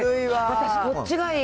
私、こっちがいい。